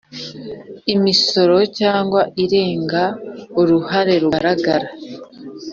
Imisoro cyangwa irenga uruhare rugaragara